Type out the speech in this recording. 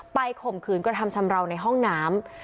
ข่มขืนกระทำชำราวในห้องน้ำ